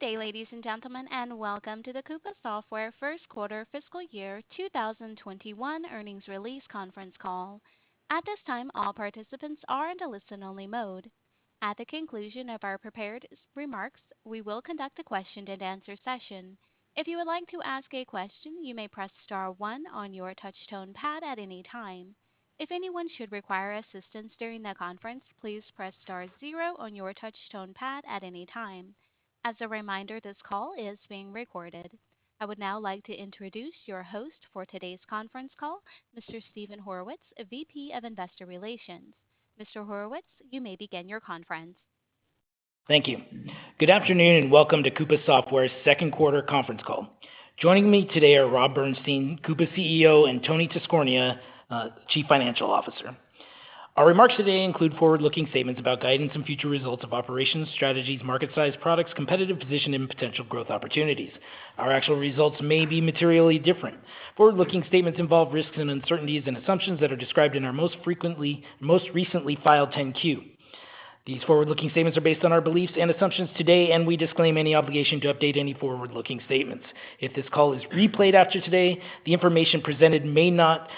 Good day, ladies and gentlemen, and welcome to the Coupa Software first quarter fiscal year 2021 earnings release conference call. At this time, all participants are in a listen-only mode. At the conclusion of our prepared remarks. At the conclusion of our prepared remarks, we will conduct the question-and-answer session. If you would like to ask a question, you may press star one on your touch-tone pad at any time. If anyone should require assistance during the conference, please press star zero on your touch tone pad at any time. As a reminder, this call is being recorded. I would now like to introduce your host for today's conference call, Mr. Steven Horwitz, VP of Investor Relations. Mr. Horwitz, you may begin your conference. Thank you. Good afternoon, and welcome to Coupa Software's second quarter conference call. Joining me today are Rob Bernshteyn, Coupa CEO, and Tony Tiscornia, Chief Financial Officer. Our remarks today include forward-looking statements about guidance and future results of operations, strategies, market size, products, competitive position, and potential growth opportunities. Our actual results may be materially different. Forward-looking statements involve risks and uncertainties and assumptions that are described in our most recently filed 10-Q. These forward-looking statements are based on our beliefs and assumptions today, and we disclaim any obligation to update any forward-looking statements. If this call is replayed after today, the information presented may not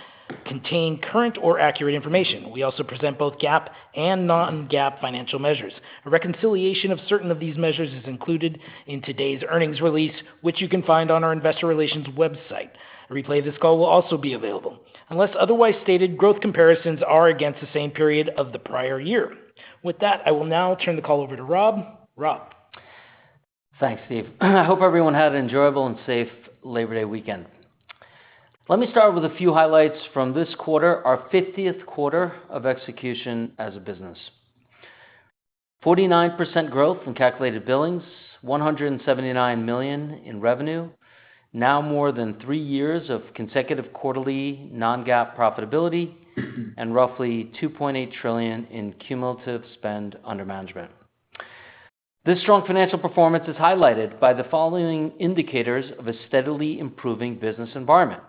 contain current or accurate information. We also present both GAAP and non-GAAP financial measures. A reconciliation of certain of these measures is included in today's earnings release, which you can find on our investor relations website. A replay of this call will also be available. Unless otherwise stated, growth comparisons are against the same period of the prior year. With that, I will now turn the call over to Rob. Rob? Thanks, Steve. I hope everyone had an enjoyable and safe Labor Day weekend. Let me start with a few highlights from this quarter, our 50th quarter of execution as a business. 49% growth in calculated billings, $179 million in revenue, now more than three years of consecutive quarterly non-GAAP profitability, and roughly $2.8 trillion in cumulative spend under management. This strong financial performance is highlighted by the following indicators of a steadily improving business environment.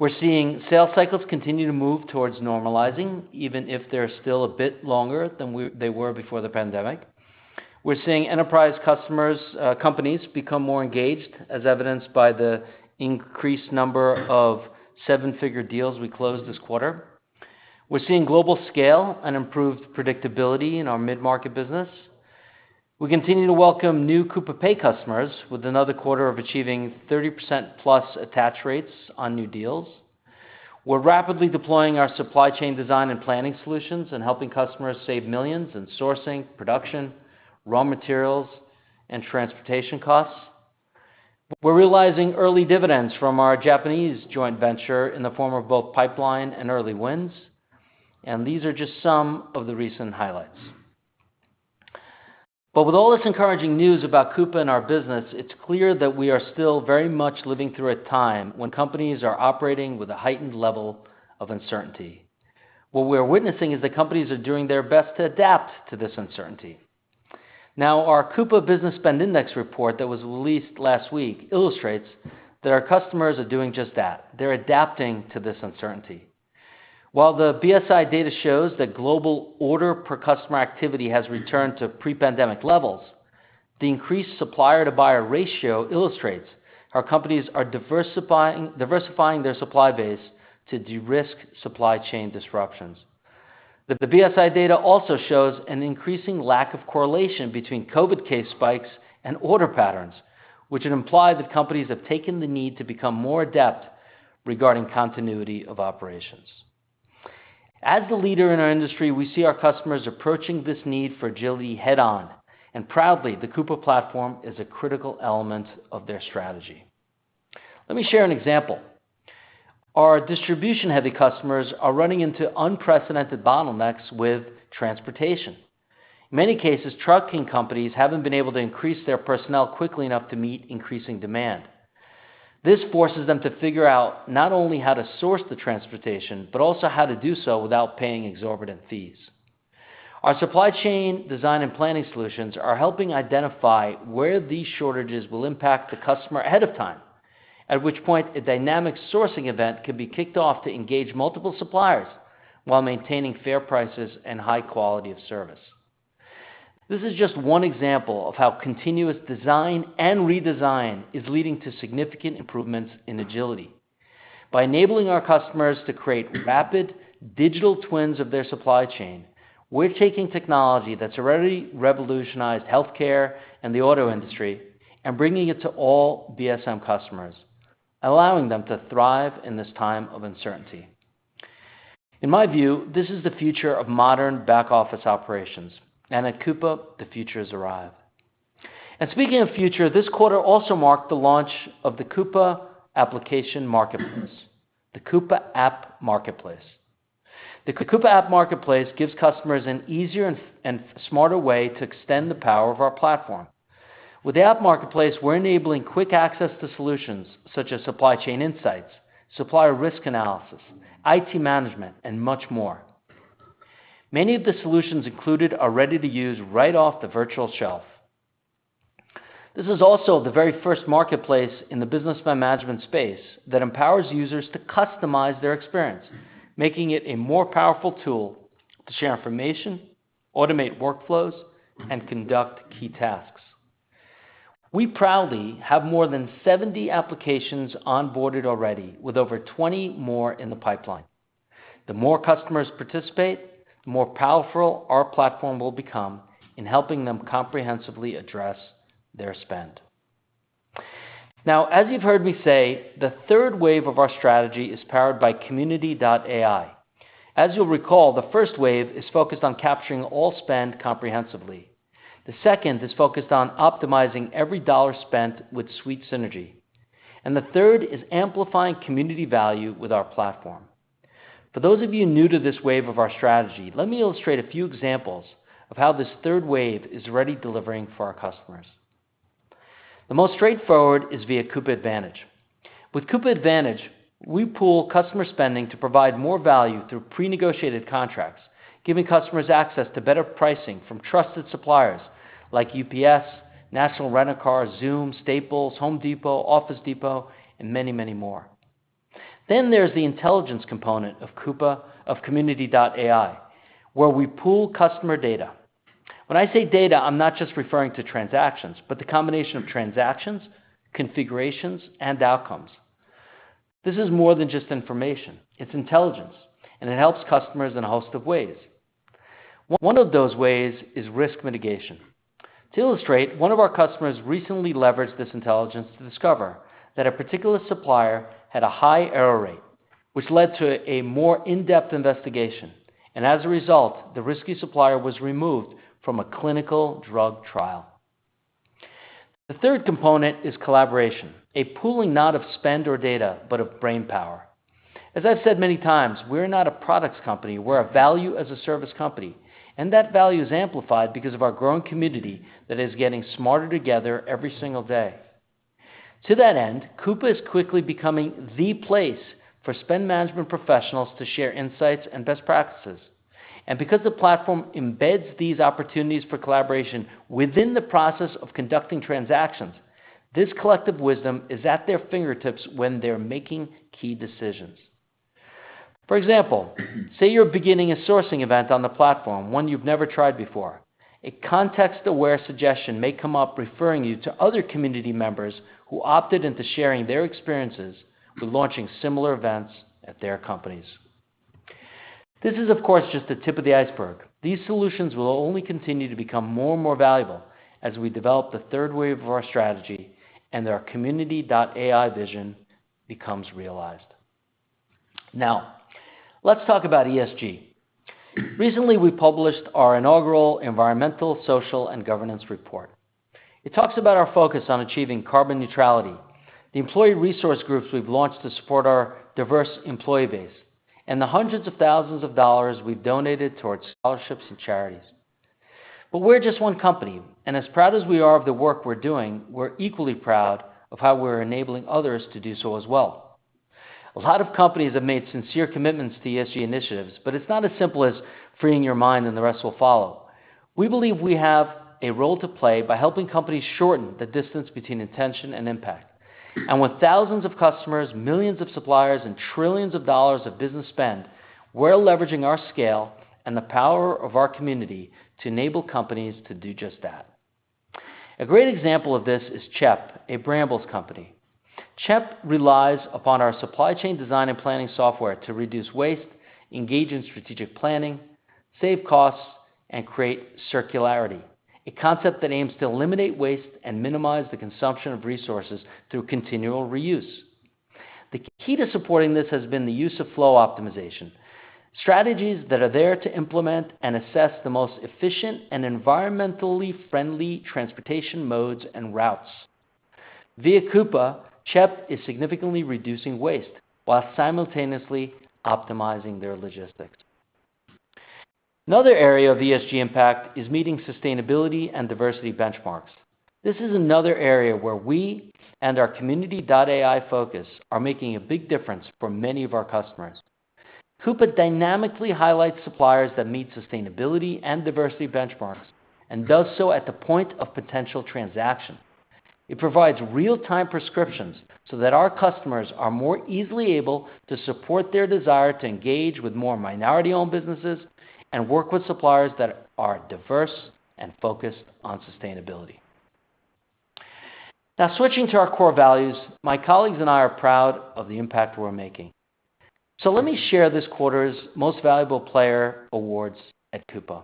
We're seeing sales cycles continue to move towards normalizing, even if they're still a bit longer than they were before the pandemic. We're seeing enterprise customers' companies become more engaged, as evidenced by the increased number of seven-figure deals we closed this quarter. We're seeing global scale and improved predictability in our mid-market business. We continue to welcome new Coupa Pay customers, with another quarter of achieving 30%+ attach rates on new deals. We're rapidly deploying our Supply Chain Design & Planning solutions and helping customers save millions in sourcing, production, raw materials, and transportation costs. We're realizing early dividends from our Japanese joint venture in the form of both pipeline and early wins. These are just some of the recent highlights. With all this encouraging news about Coupa and our business, it's clear that we are still very much living through a time when companies are operating with a heightened level of uncertainty. What we're witnessing is that companies are doing their best to adapt to this uncertainty. Our Coupa Business Spend Index report that was released last week illustrates that our customers are doing just that. They're adapting to this uncertainty. While the BSI data shows that global order per customer activity has returned to pre-pandemic levels, the increased supplier-to-buyer ratio illustrates how companies are diversifying their supply base to de-risk supply chain disruptions. The BSI data also shows an increasing lack of correlation between COVID case spikes and order patterns, which would imply that companies have taken the need to become more adept regarding continuity of operations. As the leader in our industry, we see our customers approaching this need for agility head-on, and proudly, the Coupa platform is a critical element of their strategy. Let me share an example. Our distribution-heavy customers are running into unprecedented bottlenecks with transportation. In many cases, trucking companies haven't been able to increase their personnel quickly enough to meet increasing demand. This forces them to figure out not only how to source the transportation, but also how to do so without paying exorbitant fees. Our Supply Chain Design & Planning solutions are helping identify where these shortages will impact the customer ahead of time, at which point, a dynamic sourcing event can be kicked off to engage multiple suppliers while maintaining fair prices and high quality of service. This is just one example of how continuous design and redesign is leading to significant improvements in agility. By enabling our customers to create rapid digital twins of their supply chain, we're taking technology that's already revolutionized healthcare and the auto industry and bringing it to all BSM customers, allowing them to thrive in this time of uncertainty. In my view, this is the future of modern back-office operations, and at Coupa, the future has arrived. Speaking of future, this quarter also marked the launch of the Coupa Application Marketplace, the Coupa App Marketplace. The Coupa App Marketplace gives customers an easier and smarter way to extend the power of our platform. With the App Marketplace, we're enabling quick access to solutions such as supply chain insights, supplier risk analysis, IT management, and much more. Many of the solutions included are ready to use right off the virtual shelf. This is also the very first marketplace in the business management space that empowers users to customize their experience, making it a more powerful tool to share information, automate workflows, and conduct key tasks. We proudly have more than 70 applications onboarded already, with over 20 more in the pipeline. The more customers participate, the more powerful our platform will become in helping them comprehensively address their spend. As you've heard me say, the third wave of our strategy is powered by Community.AI. As you'll recall, the first wave is focused on capturing all spend comprehensively. The second is focused on optimizing every dollar spent with suite synergy, and the third is amplifying community value with our platform. For those of you new to this wave of our strategy, let me illustrate a few examples of how this third wave is already delivering for our customers. The most straightforward is via Coupa Advantage. With Coupa Advantage, we pool customer spending to provide more value through pre-negotiated contracts, giving customers access to better pricing from trusted suppliers like UPS, National Car Rental, Zoom, Staples, The Home Depot, Office Depot, and many, many more. There's the intelligence component of Community.AI, where we pool customer data. When I say data, I'm not just referring to transactions, but the combination of transactions, configurations, and outcomes. This is more than just information. It's intelligence, and it helps customers in a host of ways. One of those ways is risk mitigation. To illustrate, one of our customers recently leveraged this intelligence to discover that a particular supplier had a high error rate, which led to a more in-depth investigation, and as a result, the risky supplier was removed from a clinical drug trial. The third component is collaboration, a pooling not of spend or data, but of brainpower. As I've said many times, we're not a products company. We're a Value as a Service company, and that value is amplified because of our growing community that is getting smarter together every single day. To that end, Coupa is quickly becoming the place for spend management professionals to share insights and best practices. Because the platform embeds these opportunities for collaboration within the process of conducting transactions, this collective wisdom is at their fingertips when they're making key decisions. For example, say you're beginning a sourcing event on the platform, one you've never tried before. A context-aware suggestion may come up referring you to other community members who opted into sharing their experiences with launching similar events at their companies. This is, of course, just the tip of the iceberg. These solutions will only continue to become more and more valuable as we develop the third wave of our strategy and our Community.AI vision becomes realized. Let's talk about ESG. Recently, we published our inaugural environmental, social, and governance report. It talks about our focus on achieving carbon neutrality, the employee resource groups we've launched to support our diverse employee base, and the hundreds of thousands of dollars we've donated towards scholarships and charities. We're just one company, and as proud as we are of the work we're doing, we're equally proud of how we're enabling others to do so as well. A lot of companies have made sincere commitments to ESG initiatives, it's not as simple as freeing your mind and the rest will follow. We believe we have a role to play by helping companies shorten the distance between intention and impact. With thousands of customers, millions of suppliers, and trillions of dollars of business spend, we're leveraging our scale and the power of our community to enable companies to do just that. A great example of this is CHEP, a Brambles company. CHEP relies upon our Supply Chain Design & Planning software to reduce waste, engage in strategic planning, save costs, and create circularity, a concept that aims to eliminate waste and minimize the consumption of resources through continual reuse. The key to supporting this has been the use of flow optimization, strategies that are there to implement and assess the most efficient and environmentally friendly transportation modes and routes. Via Coupa, CHEP is significantly reducing waste while simultaneously optimizing their logistics. Another area of ESG impact is meeting sustainability and diversity benchmarks. This is another area where we and our Community.AI focus are making a big difference for many of our customers. Coupa dynamically highlights suppliers that meet sustainability and diversity benchmarks and does so at the point of potential transaction. It provides real-time prescriptions so that our customers are more easily able to support their desire to engage with more minority-owned businesses and work with suppliers that are diverse and focused on sustainability. Switching to our core values. My colleagues and I are proud of the impact we're making. Let me share this quarter's Most Valuable Player awards at Coupa.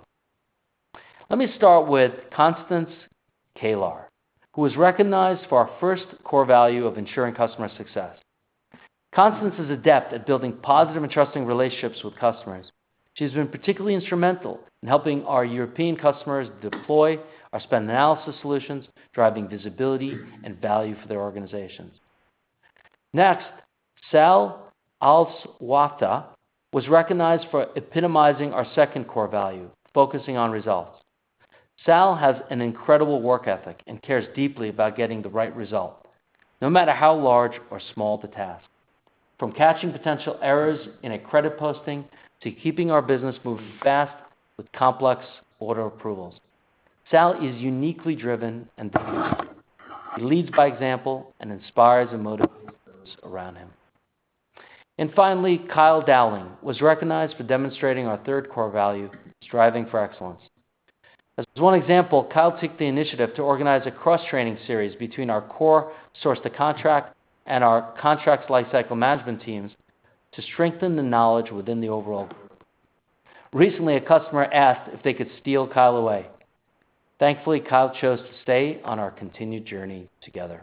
Let me start with Constance Caylar, who was recognized for our first core value of ensuring customer success. Constance is adept at building positive and trusting relationships with customers. She's been particularly instrumental in helping our European customers deploy our spend analysis solutions, driving visibility and value for their organizations. Next, Sal Alswafta was recognized for epitomizing our second core value, focusing on results. Sal has an incredible work ethic and cares deeply about getting the right result, no matter how large or small the task. From catching potential errors in a credit posting to keeping our business moving fast with complex order approvals, Sal is uniquely driven and dedicated. He leads by example and inspires and motivates those around him. Finally, Kyle Dowling was recognized for demonstrating our third core value, striving for excellence. As one example, Kyle took the initiative to organize a cross-training series between our core source-to-contract and our contracts lifecycle management teams to strengthen the knowledge within the overall group. Recently, a customer asked if they could steal Kyle away. Thankfully, Kyle chose to stay on our continued journey together.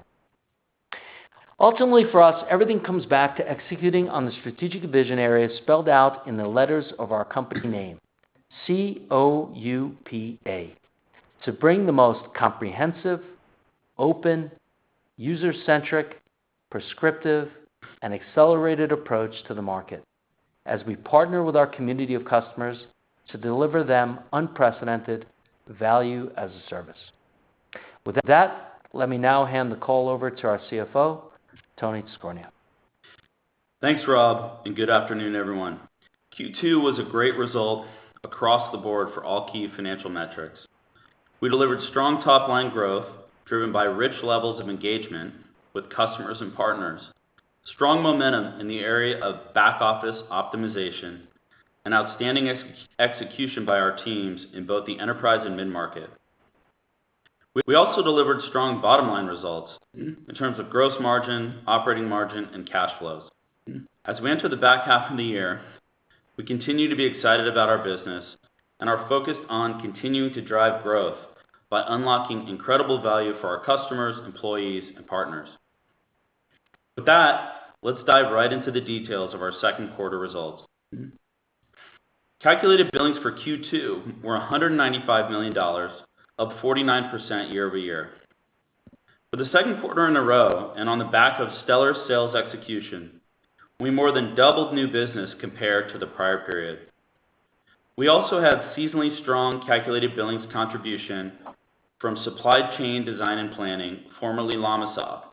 Ultimately, for us, everything comes back to executing on the strategic vision areas spelled out in the letters of our company name, C-O-U-P-A, to bring the most comprehensive, open, user-centric, prescriptive, and accelerated approach to the market, as we partner with our community of customers to deliver them unprecedented Value as a Service. With that, let me now hand the call over to our CFO, Tony Tiscornia. Thanks, Rob. Good afternoon, everyone. Q2 was a great result across the board for all key financial metrics. We delivered strong top-line growth driven by rich levels of engagement with customers and partners, strong momentum in the area of back-office optimization, and outstanding execution by our teams in both the enterprise and mid-market. We also delivered strong bottom-line results in terms of gross margin, operating margin, and cash flows. As we enter the back half of the year, we continue to be excited about our business and are focused on continuing to drive growth by unlocking incredible value for our customers, employees, and partners. With that, let's dive right into the details of our second quarter results. Calculated billings for Q2 were $195 million, up 49% year-over-year. For the second quarter in a row, and on the back of stellar sales execution, we more than doubled new business compared to the prior period. We also had seasonally strong calculated billings contribution from Supply Chain Design & Planning, formerly LLamasoft,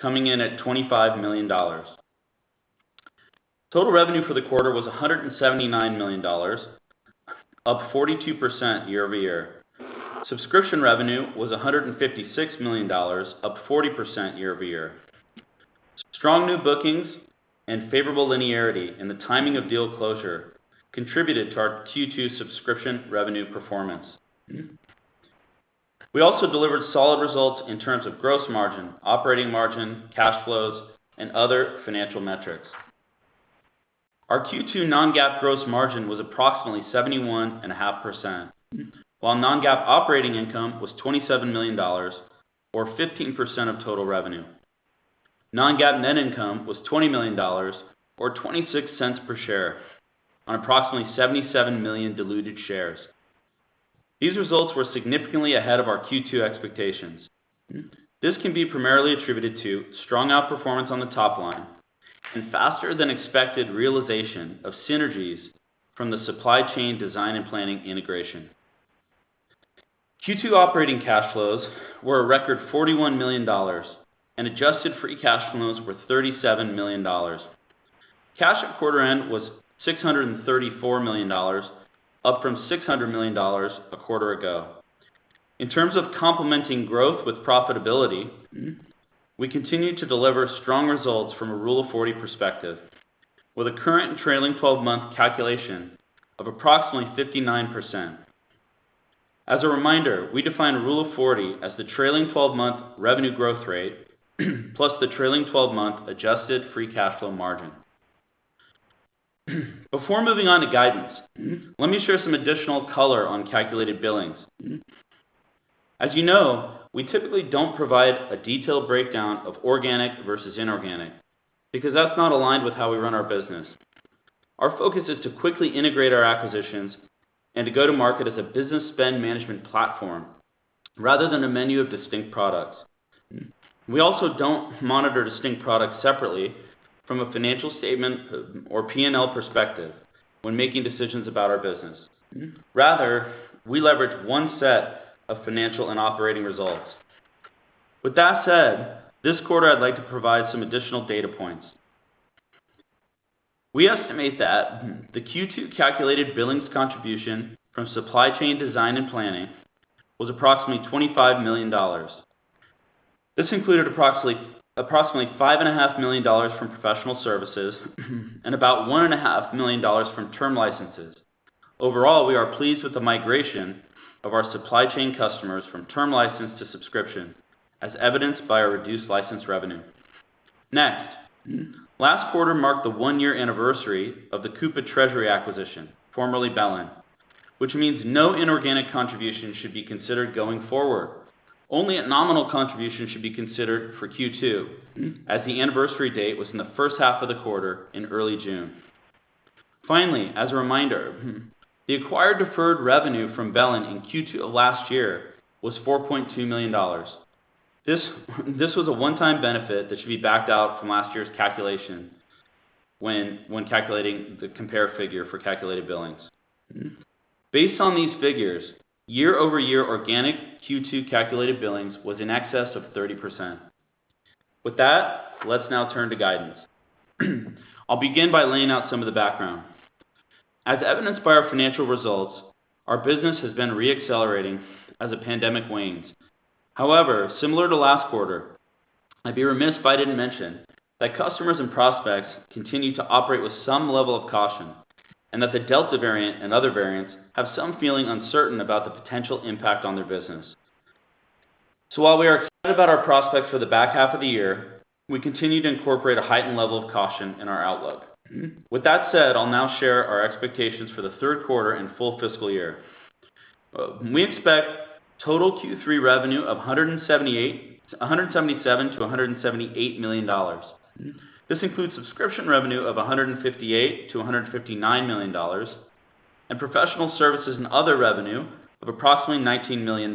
coming in at $25 million. Total revenue for the quarter was $179 million, up 42% year-over-year. Subscription revenue was $156 million, up 40% year-over-year. Strong new bookings and favorable linearity in the timing of deal closure contributed to our Q2 subscription revenue performance. We also delivered solid results in terms of gross margin, operating margin, cash flows, and other financial metrics. Our Q2 non-GAAP gross margin was approximately 71.5%, while non-GAAP operating income was $27 million, or 15% of total revenue. Non-GAAP net income was $20 million, or $0.26 per share on approximately 77 million diluted shares. These results were significantly ahead of our Q2 expectations. This can be primarily attributed to strong outperformance on the top line and faster than expected realization of synergies from the Supply Chain Design & Planning integration. Q2 operating cash flows were a record $41 million, and adjusted free cash flows were $37 million. Cash at quarter end was $634 million, up from $600 million a quarter ago. In terms of complementing growth with profitability, we continue to deliver strong results from a Rule of 40 perspective, with a current trailing 12-month calculation of approximately 59%. As a reminder, we define Rule of 40 as the trailing 12-month revenue growth rate plus the trailing 12-month adjusted free cash flow margin. Before moving on to guidance, let me share some additional color on calculated billings. As you know, we typically don't provide a detailed breakdown of organic versus inorganic because that's not aligned with how we run our business. Our focus is to quickly integrate our acquisitions and to go to market as a business spend management platform rather than a menu of distinct products. We also don't monitor distinct products separately from a financial statement or P&L perspective when making decisions about our business. Rather, we leverage one set of financial and operating results. With that said, this quarter, I'd like to provide some additional data points. We estimate that the Q2 calculated billings contribution from Supply Chain Design & Planning was approximately $25 million. This included approximately $5.5 million from professional services and about $1.5 million from term licenses. Overall, we are pleased with the migration of our supply chain customers from term license to subscription, as evidenced by our reduced license revenue. Next, last quarter marked the one-year anniversary of the Coupa Treasury acquisition, formerly BELLIN, which means no inorganic contribution should be considered going forward. Only a nominal contribution should be considered for Q2, as the anniversary date was in the first half of the quarter in early June. Finally, as a reminder, the acquired deferred revenue from BELLIN in Q2 of last year was $4.2 million. This was a one-time benefit that should be backed out from last year's calculation when calculating the compare figure for calculated billings. Based on these figures, year-over-year organic Q2 calculated billings was in excess of 30%. With that, let's now turn to guidance. I'll begin by laying out some of the background. As evidenced by our financial results, our business has been re-accelerating as the pandemic wanes. Similar to last quarter, I'd be remiss if I didn't mention that customers and prospects continue to operate with some level of caution, and that the Delta variant and other variants have some feeling uncertain about the potential impact on their business. While we are excited about our prospects for the back half of the year, we continue to incorporate a heightened level of caution in our outlook. With that said, I'll now share our expectations for the third quarter and full fiscal year. We expect total Q3 revenue of $177 million-$178 million. This includes subscription revenue of $158 million-$159 million, and professional services and other revenue of approximately $19 million.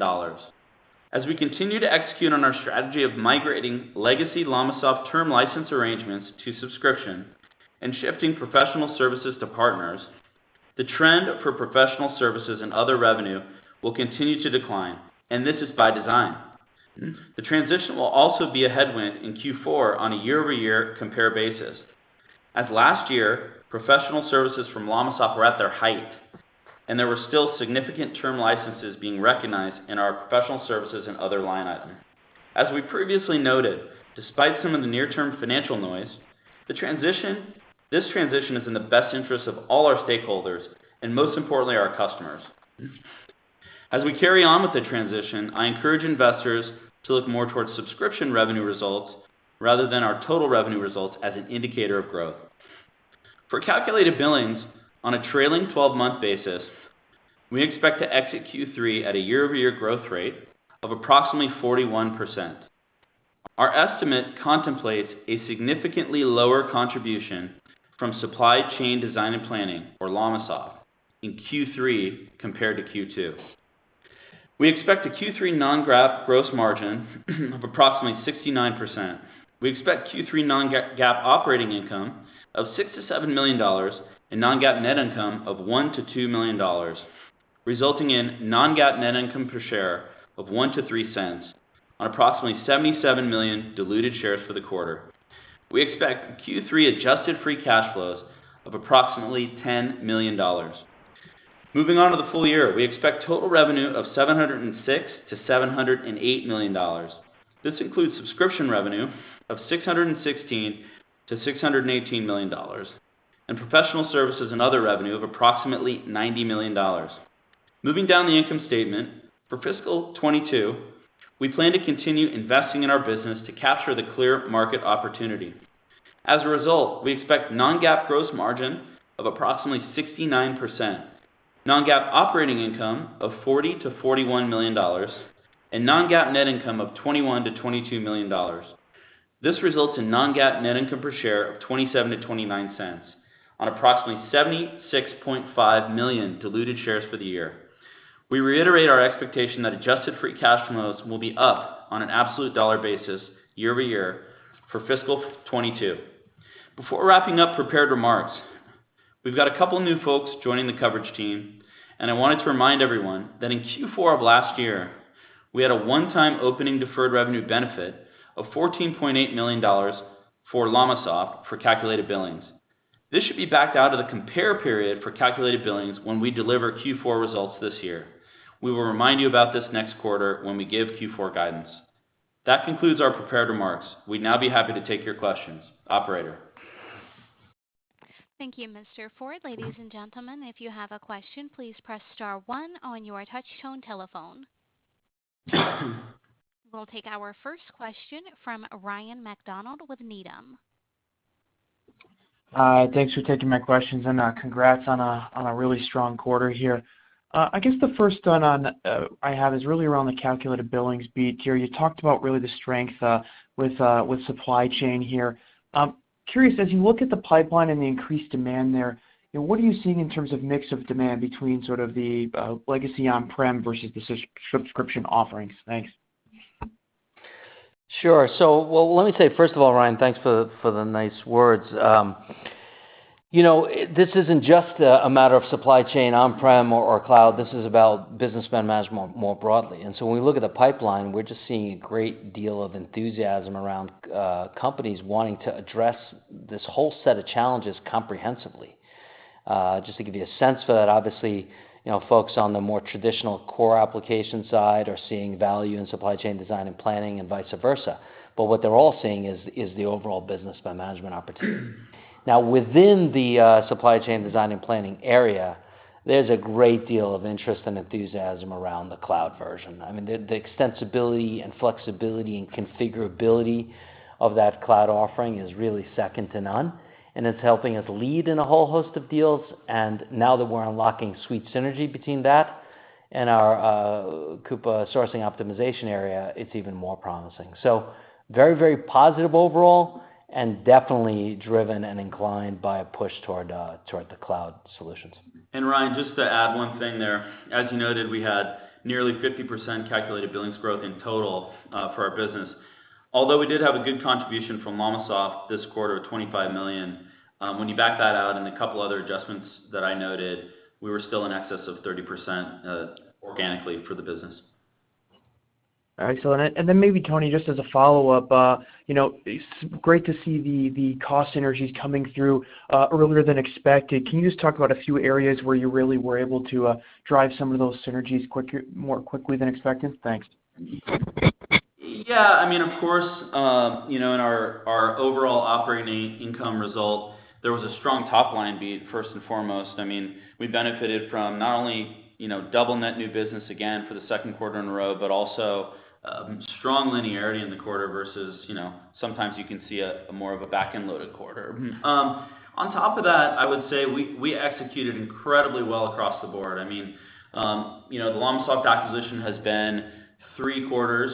As we continue to execute on our strategy of migrating legacy LLamasoft term license arrangements to subscription and shifting professional services to partners, the trend for professional services and other revenue will continue to decline, and this is by design. The transition will also be a headwind in Q4 on a year-over-year compare basis. As last year, professional services from LLamasoft were at their height, and there were still significant term licenses being recognized in our professional services and other line items. As we previously noted, despite some of the near-term financial noise, this transition is in the best interest of all our stakeholders, and most importantly, our customers. As we carry on with the transition, I encourage investors to look more towards subscription revenue results rather than our total revenue results as an indicator of growth. For calculated billings on a trailing 12-month basis, we expect to exit Q3 at a year-over-year growth rate of approximately 41%. Our estimate contemplates a significantly lower contribution from Supply Chain Design & Planning, or LLamasoft, in Q3 compared to Q2. We expect a Q3 non-GAAP gross margin of approximately 69%. We expect Q3 non-GAAP operating income of $6 million-$7 million and non-GAAP net income of $1 million-$2 million, resulting in non-GAAP net income per share of $0.01-$0.03 on approximately 77 million diluted shares for the quarter. We expect Q3 adjusted free cash flows of approximately $10 million. Moving on to the full year, we expect total revenue of $706 million-$708 million. This includes subscription revenue of $616 million-$618 million, and professional services and other revenue of approximately $90 million. Moving down the income statement, for fiscal 2022, we plan to continue investing in our business to capture the clear market opportunity. As a result, we expect non-GAAP gross margin of approximately 69%, non-GAAP operating income of $40 million-$41 million, and non-GAAP net income of $21 million-$22 million. This results in non-GAAP net income per share of $0.27-$0.29 on approximately 76.5 million diluted shares for the year. We reiterate our expectation that adjusted free cash flows will be up on an absolute dollar basis year-over-year for fiscal 2022. Before wrapping up prepared remarks, we've got a couple new folks joining the coverage team, and I wanted to remind everyone that in Q4 of last year, we had a one-time opening deferred revenue benefit of $14.8 million for LLamasoft for calculated billings. This should be backed out of the compare period for calculated billings when we deliver Q4 results this year. We will remind you about this next quarter when we give Q4 guidance. That concludes our prepared remarks. We'd now be happy to take your questions. Operator? Thank you, Mr. Ford. Ladies and gentlemen, if you have a question, please press star one on your touch-tone telephone. We will take our first question from Ryan MacDonald with Needham. Thanks for taking my questions. Congrats on a really strong quarter here. I guess the first one I have is really around the calculated billings beat here. You talked about really the strength with supply chain here. Curious, as you look at the pipeline and the increased demand there, what are you seeing in terms of mix of demand between sort of the legacy on-prem versus the subscription offerings? Thanks. Sure. Let me say, first of all, Ryan, thanks for the nice words. This isn't just a matter of supply chain on-prem or cloud, this is about business spend management more broadly. When we look at the pipeline, we're just seeing a great deal of enthusiasm around companies wanting to address this whole set of challenges comprehensively. Just to give you a sense for that, obviously, folks on the more traditional core application side are seeing value in Supply Chain Design & Planning, and vice versa. What they're all seeing is the overall business spend management opportunity. Within the Supply Chain Design & Planning area, there's a great deal of interest and enthusiasm around the cloud version. The extensibility and flexibility and configurability of that cloud offering is really second to none, and it's helping us lead in a whole host of deals. Now that we're unlocking suite synergy between that and our Coupa Sourcing Optimization area, it's even more promising. Very positive overall and definitely driven and inclined by a push toward the cloud solutions. Ryan, just to add one thing there. As you noted, we had nearly 50% calculated billings growth in total for our business. We did have a good contribution from LLamasoft this quarter of $25 million, when you back that out and a couple other adjustments that I noted, we were still in excess of 30% organically for the business. Excellent. Maybe Tony, just as a follow-up, it's great to see the cost synergies coming through earlier than expected. Can you just talk about a few areas where you really were able to drive some of those synergies more quickly than expected? Thanks. Of course, in our overall operating income result, there was a strong top-line beat, first and foremost. We benefited from not only double net new business again for the second quarter in a row, but also strong linearity in the quarter versus sometimes you can see more of a back-end loaded quarter. On top of that, I would say we executed incredibly well across the board. The LLamasoft acquisition has been three quarters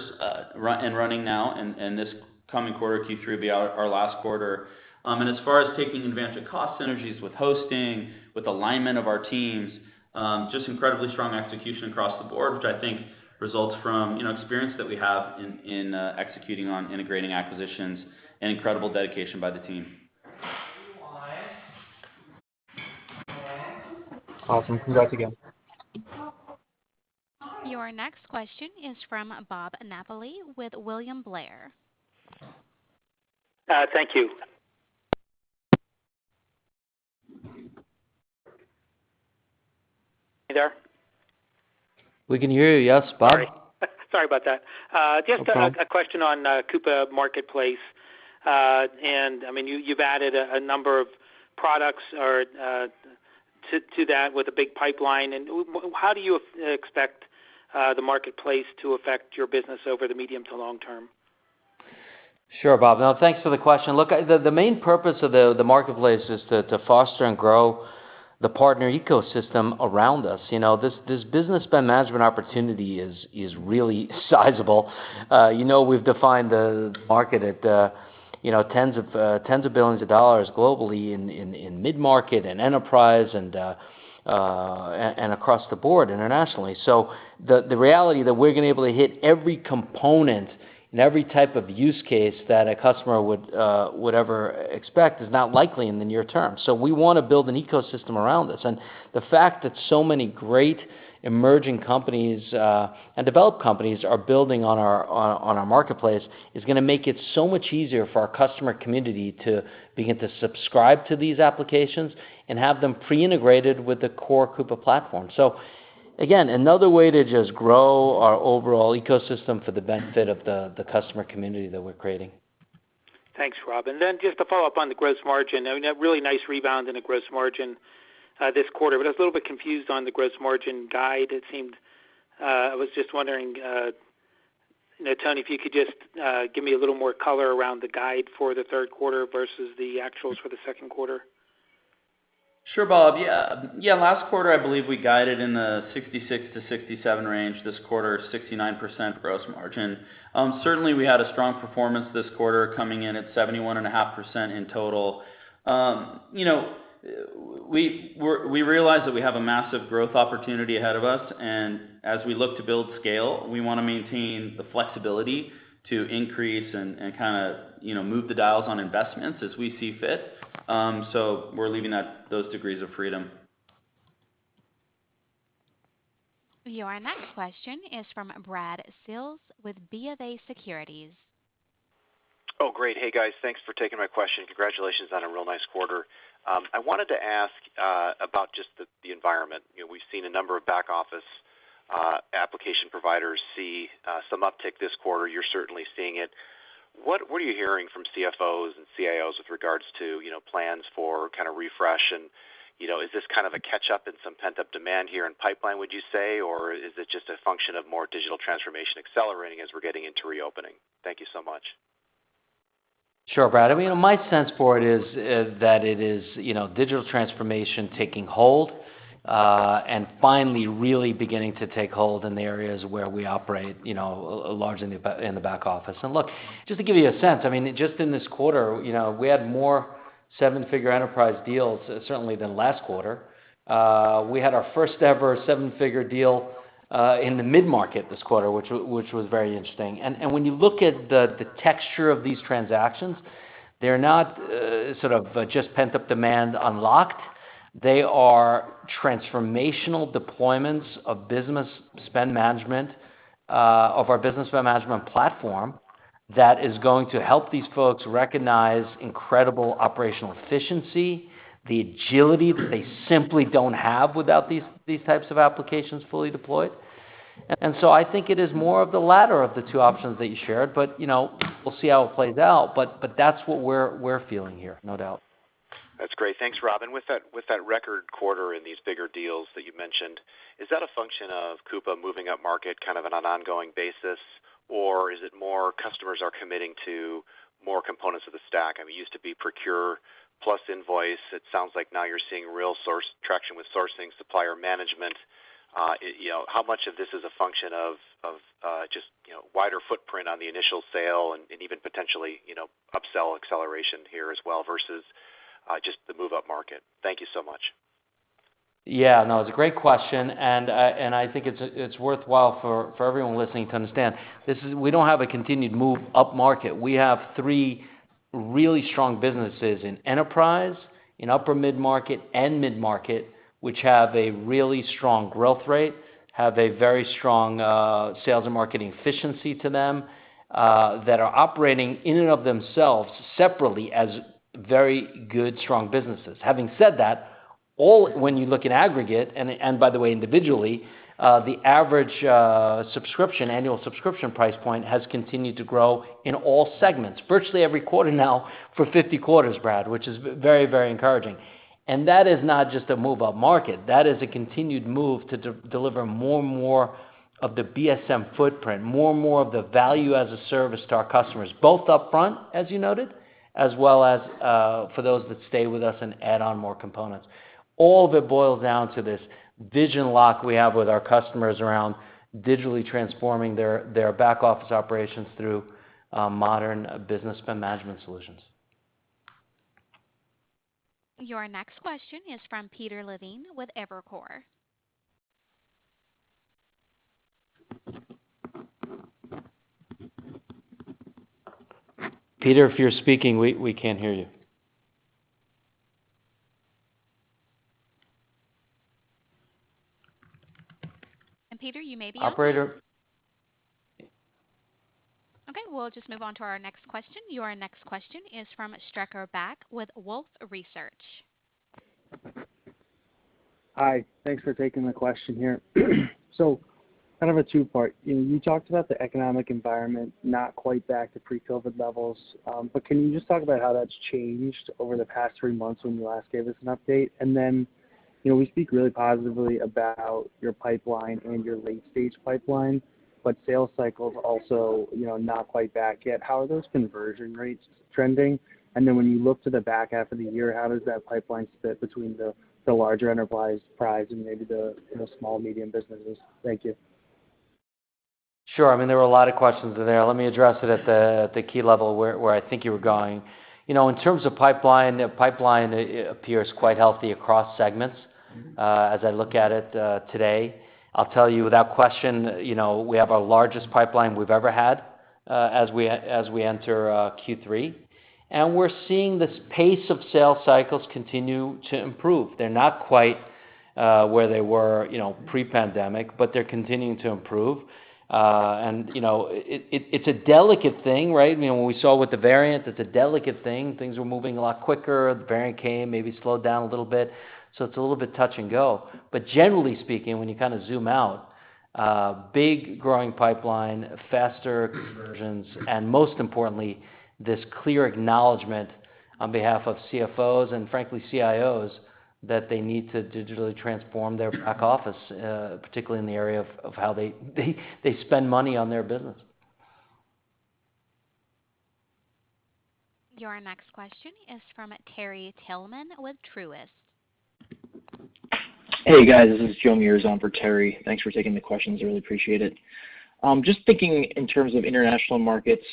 and running now, and this coming quarter, Q3, will be our last quarter. As far as taking advantage of cost synergies with hosting, with alignment of our teams, just incredibly strong execution across the board, which I think results from experience that we have in executing on integrating acquisitions and incredible dedication by the team. Awesome. Congrats again. Your next question is from Bob Napoli with William Blair. Thank you. You there? We can hear you, yes, Bob. Sorry. Sorry about that. No problem. Just a question on Coupa Marketplace. You've added a number of products to that with a big pipeline. How do you expect the marketplace to affect your business over the medium to long term? Sure, Bob. Now, thanks for the question. Look, the main purpose of the marketplace is to foster and grow the partner ecosystem around us. This business spend management opportunity is really sizable. We've defined the market at tens of billions of dollars globally in mid-market and enterprise, and across the board internationally. The reality that we're going to be able to hit every component and every type of use case that a customer would ever expect is not likely in the near term. We want to build an ecosystem around this. The fact that so many great emerging companies and developed companies are building on our marketplace is going to make it so much easier for our customer community to begin to subscribe to these applications and have them pre-integrated with the core Coupa platform. Again, another way to just grow our overall ecosystem for the benefit of the customer community that we're creating. Thanks, Rob. Then just to follow up on the gross margin, that really nice rebound in the gross margin this quarter. I was a little bit confused on the gross margin guide. I was just wondering, Tony, if you could just give me a little more color around the guide for the third quarter versus the actuals for the second quarter. Sure, Bob. Yeah. Last quarter, I believe we guided in the 66%-67% range. This quarter, 69% gross margin. Certainly, we had a strong performance this quarter coming in at 71.5% in total. We realize that we have a massive growth opportunity ahead of us, and as we look to build scale, we want to maintain the flexibility to increase and move the dials on investments as we see fit. We're leaving those degrees of freedom. Your next question is from Brad Sills with BofA Securities. Oh, great. Hey, guys. Thanks for taking my question. Congratulations on a real nice quarter. I wanted to ask about just the environment. We've seen a number of back-office application providers see some uptick this quarter. You're certainly seeing it. What are you hearing from CFOs and CIOs with regards to plans for refresh and is this kind of a catch-up in some pent-up demand here in pipeline, would you say? Or is it just a function of more digital transformation accelerating as we're getting into reopening? Thank you so much. Sure, Brad. My sense for it is that it is digital transformation taking hold, and finally really beginning to take hold in the areas where we operate largely in the back office. Look, just to give you a sense, just in this quarter, we had more seven-figure enterprise deals certainly than last quarter. We had our first ever seven-figure deal in the mid-market this quarter, which was very interesting. When you look at the texture of these transactions, they're not sort of just pent-up demand unlocked. They are transformational deployments of our business spend management platform that is going to help these folks recognize incredible operational efficiency, the agility that they simply don't have without these types of applications fully deployed. I think it is more of the latter of the two options that you shared, but we'll see how it plays out, but that's what we're feeling here, no doubt. That's great. Thanks, Rob. With that record quarter in these bigger deals that you mentioned, is that a function of Coupa moving up market kind of on an ongoing basis, or is it more customers are committing to more components of the stack? It used to be procure plus invoice. It sounds like now you're seeing real traction with sourcing, supplier management. How much of this is a function of just wider footprint on the initial sale and even potentially upsell acceleration here as well versus just the move-up market? Thank you so much. Yeah. No, it's a great question, and I think it's worthwhile for everyone listening to understand. We don't have a continued move upmarket. We have three really strong businesses in enterprise, in upper mid-market and mid-market, which have a really strong growth rate, have a very strong sales and marketing efficiency to them, that are operating in and of themselves separately as very good, strong businesses. Having said that, when you look in aggregate, and by the way, individually, the average annual subscription price point has continued to grow in all segments, virtually every quarter now for 50 quarters, Brad, which is very encouraging. That is not just a move-up market. That is a continued move to deliver more and more of the BSM footprint, more and more of the Value as a Service to our customers, both upfront, as you noted, as well as for those that stay with us and add on more components. All of it boils down to this vision lock we have with our customers around digitally transforming their back-office operations through modern business spend management solutions. Your next question is from Peter Levine with Evercore. Peter, if you're speaking, we can't hear you. Peter, you may be. Operator. Okay, we'll just move on to our next question. Your next question is from Strecker Backe with Wolfe Research. Hi. Thanks for taking the question here. Kind of a two-part. You talked about the economic environment, not quite back to pre-COVID levels. Can you just talk about how that's changed over the past three months when you last gave us an update? We speak really positively about your pipeline and your late-stage pipeline, but sales cycles also not quite back yet. How are those conversion rates trending? When you look to the back half of the year, how does that pipeline sit between the larger enterprise and maybe the small, medium businesses? Thank you. Sure. There were a lot of questions there. Let me address it at the key level where I think you were going. In terms of pipeline, the pipeline appears quite healthy across segments as I look at it today. I'll tell you, without question, we have our largest pipeline we've ever had as we enter Q3. We're seeing this pace of sales cycles continue to improve. They're not quite where they were pre-pandemic, but they're continuing to improve. It's a delicate thing. When we saw with the Delta variant, it's a delicate thing. Things were moving a lot quicker. The Delta variant came, maybe slowed down a little bit. It's a little bit touch and go. Generally speaking, when you zoom out, big growing pipeline, faster conversions, and most importantly, this clear acknowledgment on behalf of CFOs, and frankly, CIOs, that they need to digitally transform their back office, particularly in the area of how they spend money on their business. Your next question is from Terry Tillman with Truist. Hey, guys, this is Joe Meares on for Terry. Thanks for taking the questions. I really appreciate it. Just thinking in terms of international markets,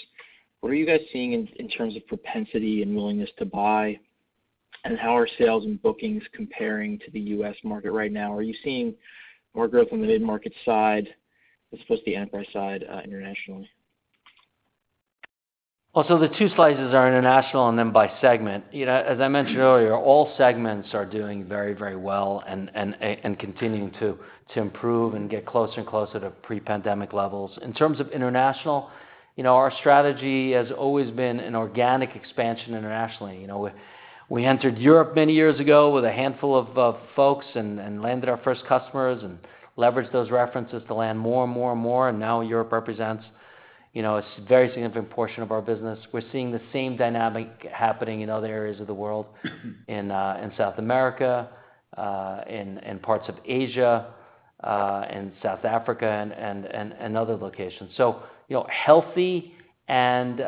what are you guys seeing in terms of propensity and willingness to buy? How are sales and bookings comparing to the U.S. market right now? Are you seeing more growth on the mid-market side as opposed to the enterprise side internationally? The two slices are international and then by segment. As I mentioned earlier, all segments are doing very well and continuing to improve and get closer and closer to pre-pandemic levels. In terms of international, our strategy has always been an organic expansion internationally. We entered Europe many years ago with a handful of folks and landed our first customers and leveraged those references to land more and more. Now, Europe represents a very significant portion of our business. We're seeing the same dynamic happening in other areas of the world, in South America, in parts of Asia, in South Africa and other locations. Healthy, and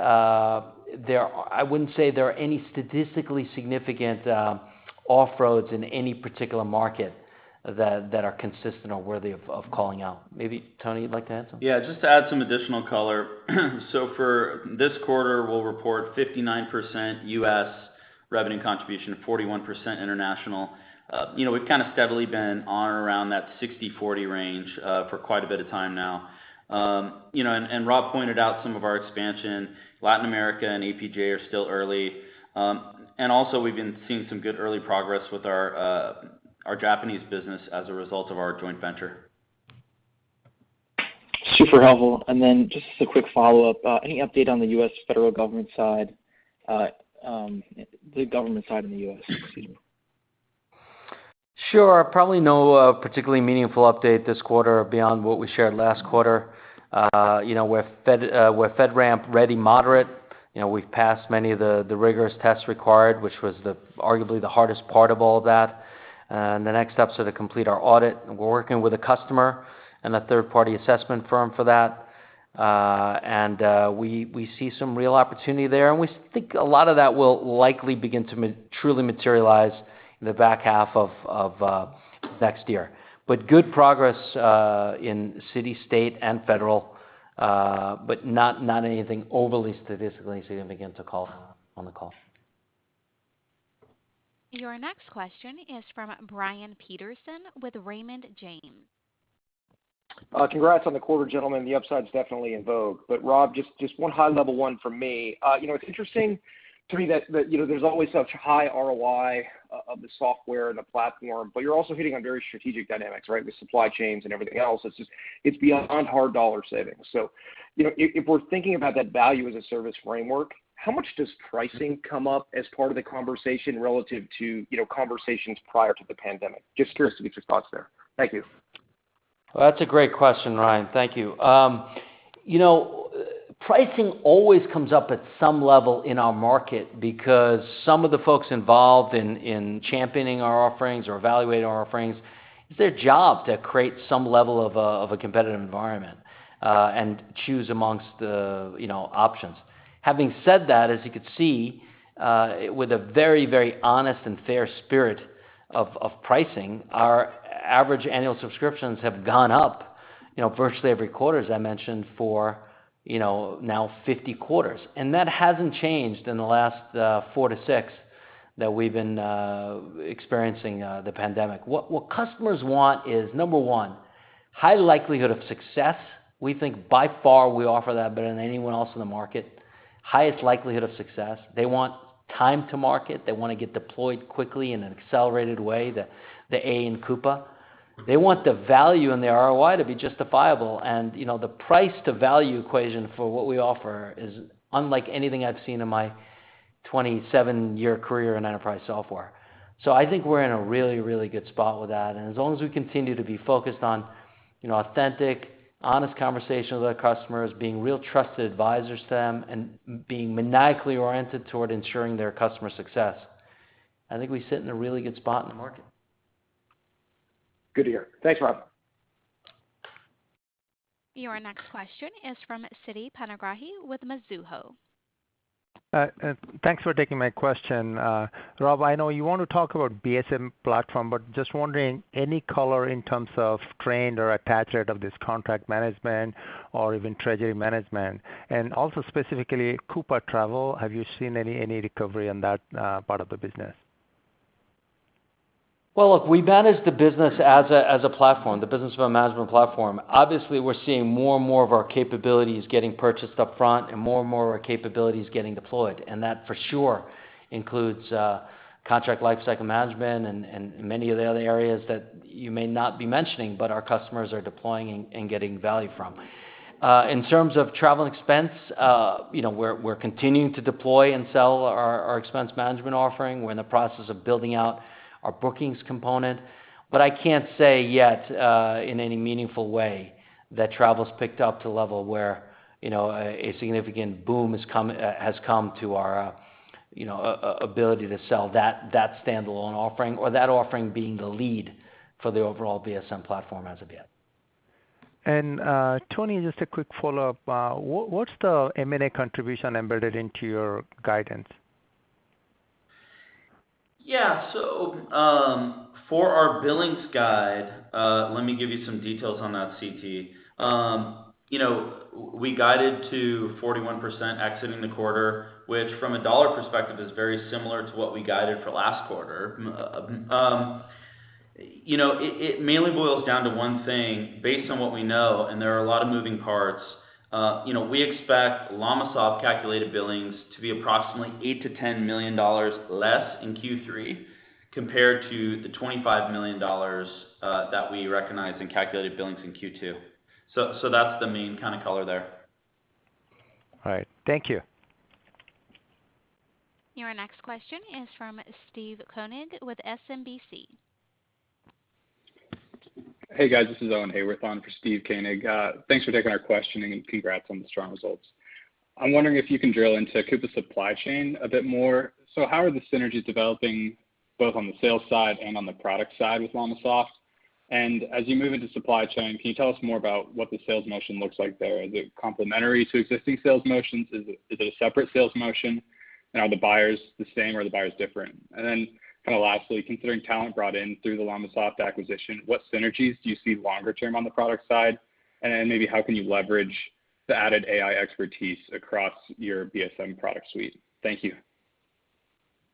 I wouldn't say there are any statistically significant off-roads in any particular market that are consistent or worthy of calling out. Maybe, Tony, you'd like to add something? Yeah, just to add some additional color. For this quarter, we'll report 59% U.S. revenue contribution, 41% international. We've steadily been on or around that 60/40 range for quite a bit of time now. Rob pointed out some of our expansion, Latin America and APJ are still early. Also we've been seeing some good early progress with our Japanese business as a result of our joint venture. Super helpful. Just as a quick follow-up, any update on the U.S. federal government side, the government side in the U.S.? Excuse me. Sure. Probably no particularly meaningful update this quarter beyond what we shared last quarter. We're FedRAMP Ready Moderate. We've passed many of the rigorous tests required, which was arguably the hardest part of all of that. The next steps are to complete our audit, and we're working with a customer and a third-party assessment firm for that. We see some real opportunity there, and we think a lot of that will likely begin to truly materialize in the back half of next year. Good progress in city, state, and federal, but not anything overly statistically significant to call on the call. Your next question is from Brian Peterson with Raymond James Congrats on the quarter, gentlemen. The upside is definitely in vogue. Rob, just one high-level one from me. It's interesting to me that there's always such high ROI of the software and the platform, but you're also hitting on very strategic dynamics, right? With supply chains and everything else, it's just beyond hard dollar savings. If we're thinking about that Value as a Service framework, how much does pricing come up as part of the conversation relative to conversations prior to the pandemic? Just curious to get your thoughts there. Thank you. That's a great question, Brian. Thank you. Pricing always comes up at some level in our market because some of the folks involved in championing our offerings or evaluating our offerings, it's their job to create some level of a competitive environment and choose amongst the options. Having said that, as you could see, with a very honest and fair spirit of pricing, our average annual subscriptions have gone up virtually every quarter, as I mentioned, for now 50 quarters. That hasn't changed in the last four to six that we've been experiencing the pandemic. What customers want is, number one, high likelihood of success. We think by far we offer that better than anyone else in the market. Highest likelihood of success. They want time to market. They want to get deployed quickly in an accelerated way, the A in Coupa. They want the value and the ROI to be justifiable. The price to value equation for what we offer is unlike anything I've seen in my 27-year career in enterprise software. I think we're in a really good spot with that. As long as we continue to be focused on authentic, honest conversations with our customers, being real trusted advisors to them, and being maniacally oriented toward ensuring their customer success, I think we sit in a really good spot in the market. Good to hear. Thanks, Rob. Your next question is from Siti Panigrahi with Mizuho. Thanks for taking my question. Rob, I know you want to talk about BSM platform. Just wondering, any color in terms of trend or attach rate of this contract management or even treasury management? Also specifically Coupa Travel, have you seen any recovery on that part of the business? Well, look, we manage the business as a platform, the business management platform. Obviously, we're seeing more and more of our capabilities getting purchased upfront and more and more of our capabilities getting deployed. That for sure includes contract lifecycle management and many of the other areas that you may not be mentioning, but our customers are deploying and getting value from. In terms of travel and expense, we're continuing to deploy and sell our expense management offering. We're in the process of building out our bookings component. I can't say yet, in any meaningful way, that travel's picked up to a level where a significant boom has come to our ability to sell that standalone offering or that offering being the lead for the overall BSM platform as of yet. Tony, just a quick follow-up. What's the M&A contribution embedded into your guidance? Yeah. For our billings guide, let me give you some details on that, Siti. We guided to 41% exiting the quarter, which from a dollar perspective is very similar to what we guided for last quarter. It mainly boils down to one thing, based on what we know, and there are a lot of moving parts. We expect LLamasoft calculated billings to be approximately $8 million-$10 million less in Q3 compared to the $25 million that we recognized in calculated billings in Q2. That's the main kind of color there. All right. Thank you. Your next question is from Steve Koenig with SMBC. Hey, guys. This is Owen Haworth on for Steve Koenig. Thanks for taking our question, and congrats on the strong results. I'm wondering if you can drill into Coupa Supply Chain a bit more. How are the synergies developing both on the sales side and on the product side with LLamasoft? As you move into supply chain, can you tell us more about what the sales motion looks like there? Are they complementary to existing sales motions? Is it a separate sales motion? Are the buyers the same or are the buyers different? Kind of lastly, considering talent brought in through the LLamasoft acquisition, what synergies do you see longer term on the product side? Maybe how can you leverage the added AI expertise across your BSM product suite? Thank you.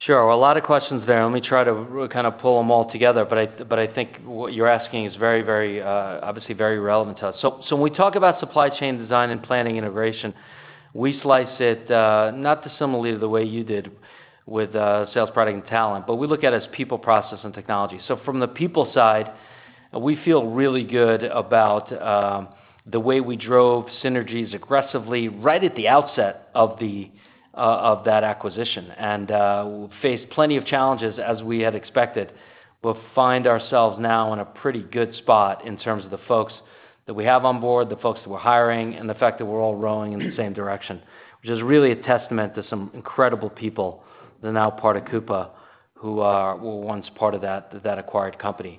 Sure. A lot of questions there. Let me try to really kind of pull them all together, but I think what you're asking is obviously very relevant to us. When we talk about Supply Chain Design & Planning integration, we slice it not dissimilar to the way you did with sales, product, and talent, but we look at it as people, process, and technology. From the people side, we feel really good about the way we drove synergies aggressively right at the outset of that acquisition. We faced plenty of challenges as we had expected, but find ourselves now in a pretty good spot in terms of the folks that we have on board, the folks that we're hiring, and the fact that we're all rowing in the same direction. Which is really a testament to some incredible people that are now part of Coupa, who were once part of that acquired company.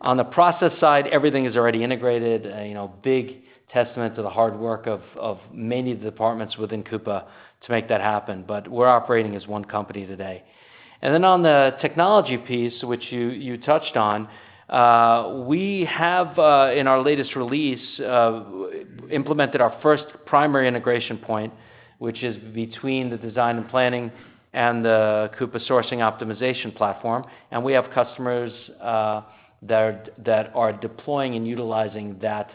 On the process side, everything is already integrated. A big testament to the hard work of many of the departments within Coupa to make that happen. We're operating as one company today. On the technology piece, which you touched on, we have, in our latest release, implemented our first primary integration point, which is between the design and planning and the Coupa Sourcing Optimization platform. We have customers that are deploying and utilizing that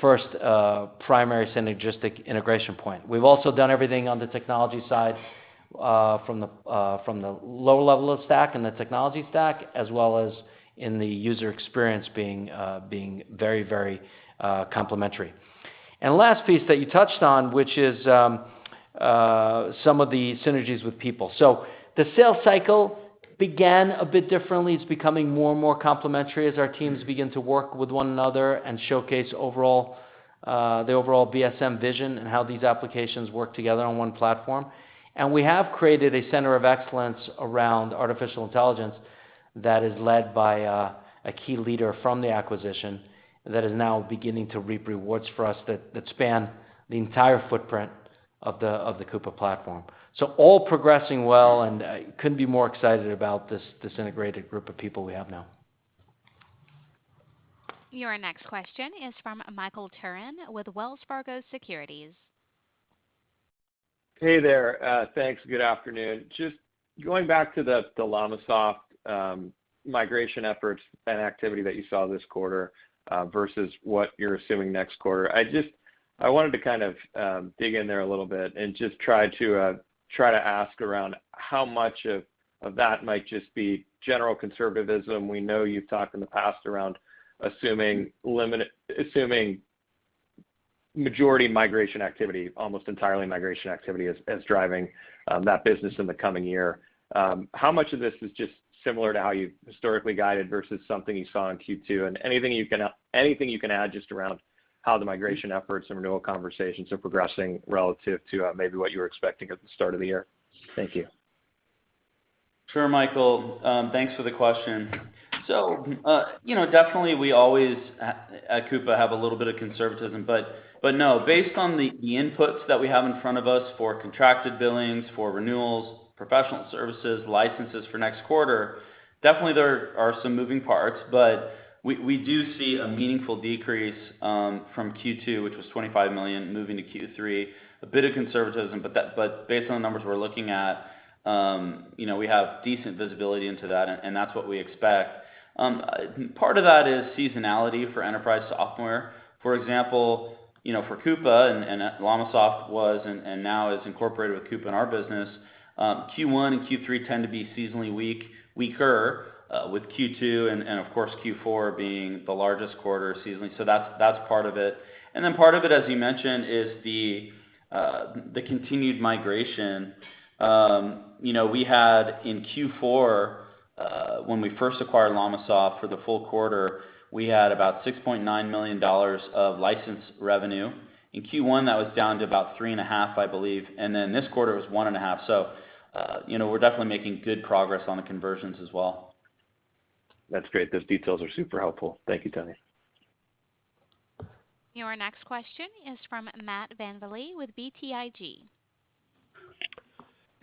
first primary synergistic integration point. We've also done everything on the technology side, from the lower level of stack and the technology stack, as well as in the user experience being very, very complementary. The last piece that you touched on, which is some of the synergies with people. The sales cycle began a bit differently. It's becoming more and more complementary as our teams begin to work with one another and showcase the overall BSM vision and how these applications work together on one platform. We have created a center of excellence around artificial intelligence that is led by a key leader from the acquisition that is now beginning to reap rewards for us that span the entire footprint of the Coupa platform. All progressing well, and couldn't be more excited about this integrated group of people we have now. Your next question is from Michael Turrin with Wells Fargo Securities. Hey there. Thanks. Good afternoon. Just going back to the LLamasoft migration efforts and activity that you saw this quarter versus what you're assuming next quarter, I wanted to dig in there a little bit and just try to ask around how much of that might just be general conservatism. We know you've talked in the past around assuming majority migration activity, almost entirely migration activity, as driving that business in the coming year. How much of this is just similar to how you've historically guided versus something you saw in Q2? Anything you can add just around how the migration efforts and renewal conversations are progressing relative to maybe what you were expecting at the start of the year? Thank you. Sure, Michael. Thanks for the question. Definitely we always at Coupa have a little bit of conservatism, but no, based on the inputs that we have in front of us for contracted billings, for renewals, professional services, licenses for next quarter, definitely there are some moving parts, but we do see a meaningful decrease from Q2, which was $25 million, moving to Q3. A bit of conservatism, but based on the numbers we're looking at, we have decent visibility into that, and that's what we expect. Part of that is seasonality for enterprise software. For example, for Coupa and LLamasoft was, and now is incorporated with Coupa in our business, Q1 and Q3 tend to be seasonally weaker, with Q2 and, of course, Q4 being the largest quarter seasonally. That's part of it. Part of it, as you mentioned, is the continued migration. We had in Q4, when we first acquired LLamasoft for the full quarter, we had about $6.9 million of licensed revenue. In Q1, that was down to about 3.5, I believe. Then this quarter was 1.5, so we're definitely making good progress on the conversions as well. That's great. Those details are super helpful. Thank you, Tony. Your next question is from Matt VanVliet with BTIG.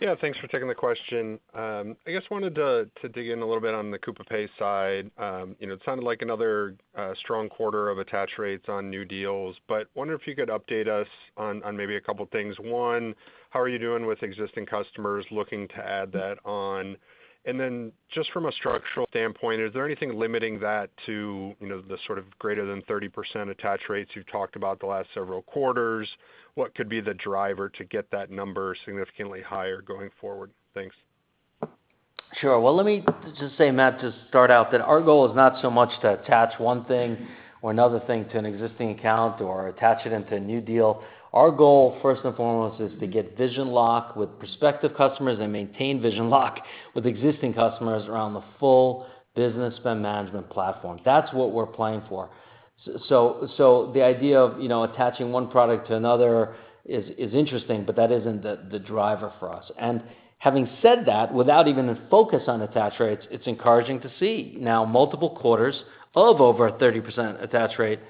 Yeah, thanks for taking the question. I just wanted to dig in a little bit on the Coupa Pay side. It sounded like another strong quarter of attach rates on new deals. Wonder if you could update us on maybe a couple things. One, how are you doing with existing customers looking to add that on? Just from a structural standpoint, is there anything limiting that to the sort of greater than 30% attach rates you've talked about the last several quarters? What could be the driver to get that number significantly higher going forward? Thanks. Well, let me just say, Matt, to start out, that our goal is not so much to attach one thing or another thing to an existing account or attach it into a new deal. Our goal, first and foremost, is to get vision lock with prospective customers and maintain vision lock with existing customers around the full business spend management platform. That's what we're playing for. The idea of attaching one product to another is interesting, but that isn't the driver for us. Having said that, without even a focus on attach rates, it's encouraging to see now multiple quarters of over a 30% attach rate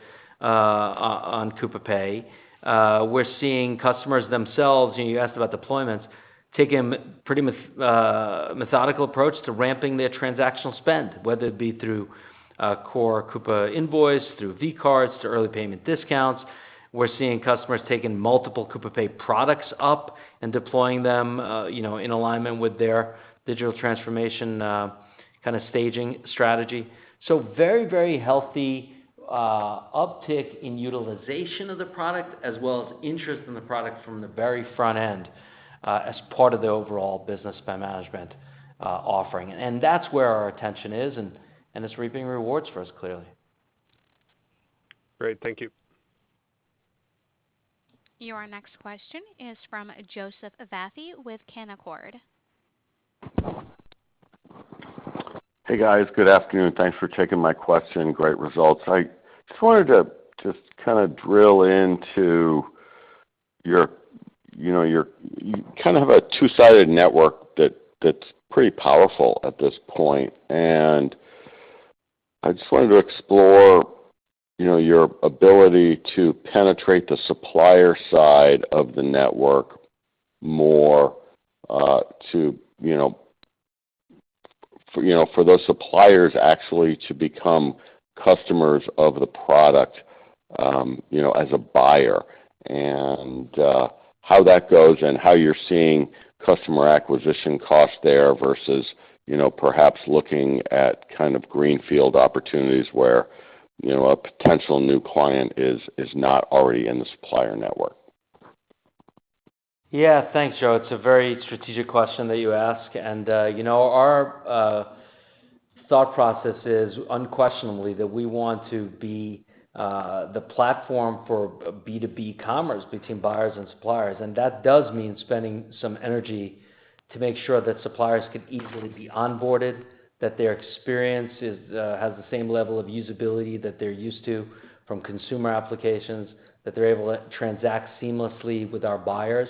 on Coupa Pay. We're seeing customers themselves, you asked about deployments, taking a pretty methodical approach to ramping their transactional spend, whether it be through core Coupa Invoice, through vCards, to early payment discounts. We're seeing customers taking multiple Coupa Pay products up and deploying them in alignment with their digital transformation kind of staging strategy. Very, very healthy uptick in utilization of the product as well as interest in the product from the very front end as part of the overall business spend management offering. That's where our attention is, and it's reaping rewards for us, clearly. Great. Thank you. Your next question is from Joseph Vafi with Canaccord. Hey, guys. Good afternoon. Thanks for taking my question. Great results. You kind of have a two-sided network that's pretty powerful at this point, and I just wanted to explore your ability to penetrate the supplier side of the network more to, for those suppliers actually to become customers of the product as a buyer and how that goes and how you're seeing customer acquisition cost there versus perhaps looking at kind of greenfield opportunities where a potential new client is not already in the supplier network. Yeah, thanks, Joe. It's a very strategic question that you ask. Our thought process is unquestionably that we want to be the platform for B2B commerce between buyers and suppliers. That does mean spending some energy to make sure that suppliers can easily be onboarded, that their experience has the same level of usability that they're used to from consumer applications, that they're able to transact seamlessly with our buyers.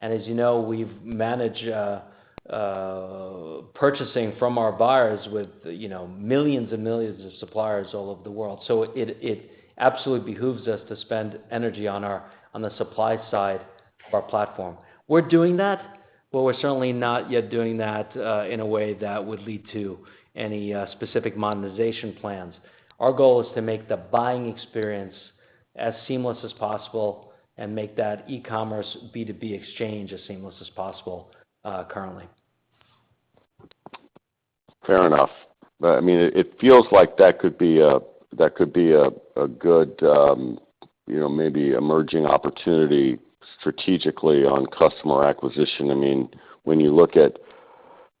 As you know, we've managed purchasing from our buyers with millions and millions of suppliers all over the world. It absolutely behooves us to spend energy on the supply side of our platform. We're doing that, we're certainly not yet doing that in a way that would lead to any specific monetization plans. Our goal is to make the buying experience as seamless as possible and make that e-commerce B2B exchange as seamless as possible currently. Fair enough. It feels like that could be a good maybe emerging opportunity strategically on customer acquisition. When you look at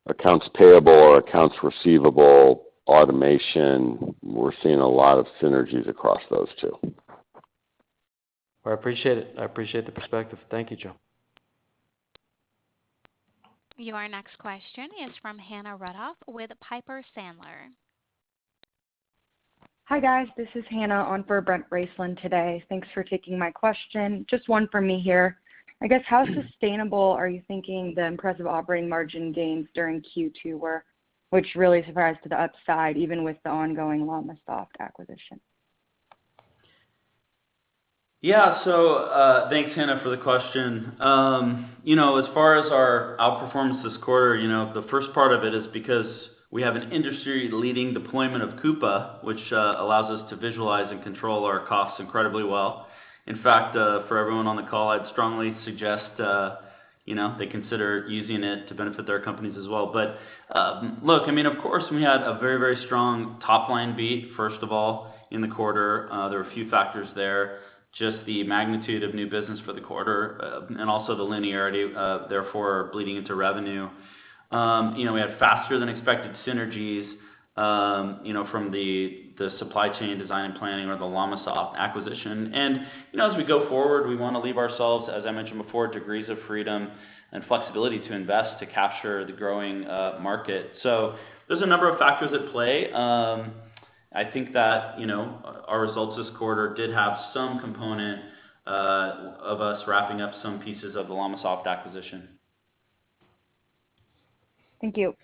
accounts payable or accounts receivable automation, we're seeing a lot of synergies across those two. I appreciate it. I appreciate the perspective. Thank you, Joe. Your next question is from Hannah Rudoff with Piper Sandler. Hi, guys. This is Hannah on for Brent Bracelin today. Thanks for taking my question. Just one from me here. I guess, how sustainable are you thinking the impressive operating margin gains during Q2 were, which really surprised to the upside, even with the ongoing LLamasoft acquisition? Thanks, Hannah, for the question. As far as our outperformance this quarter, the first part of it is because we have an industry-leading deployment of Coupa, which allows us to visualize and control our costs incredibly well. In fact, for everyone on the call, I'd strongly suggest they consider using it to benefit their companies as well. Look, of course, we had a very strong top-line beat, first of all, in the quarter. There were a few factors there, just the magnitude of new business for the quarter and also the linearity, therefore bleeding into revenue. We had faster than expected synergies from Supply Chain Design & Planning or the LLamasoft acquisition. As we go forward, we want to leave ourselves, as I mentioned before, degrees of freedom and flexibility to invest to capture the growing market. There's a number of factors at play. I think that our results this quarter did have some component of us wrapping up some pieces of the LLamasoft acquisition. Thank you.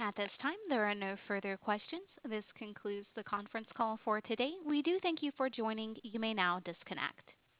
At this time, there are no further questions. This concludes the conference call for today. We do thank you for joining. You may now disconnect.